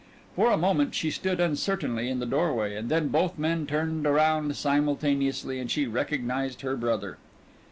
For a moment she stood uncertainly in the doorway, and then both men turned around simultaneously and she recognized her brother.